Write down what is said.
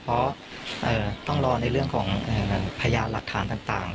เพราะเอ่อต้องรอในเรื่องของเอ่อพยายามหลักฐานต่างต่าง